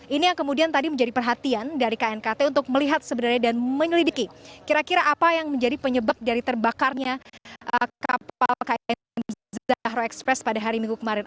ini yang kemudian tadi menjadi perhatian dari knkt untuk melihat sebenarnya dan menyelidiki kira kira apa yang menjadi penyebab dari terbakarnya kapal km zahro express pada hari minggu kemarin